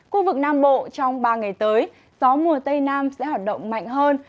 khu vực nam bộ trong ba ngày tới gió mùa tây nam sẽ hoạt động mạnh hơn